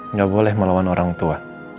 nggak boleh melawan orang tua